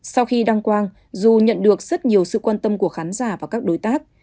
sau khi đăng quang dù nhận được rất nhiều sự quan tâm của khán giả và các đối tác